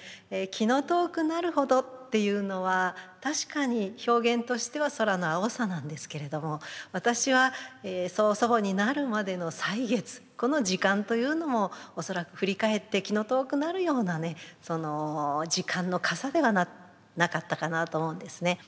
「気の遠くなるほど」っていうのは確かに表現としては空の青さなんですけれども私は曽祖母になるまでの歳月この時間というのも恐らく振り返って気の遠くなるような時間のかさではなかったかなと思うんですね。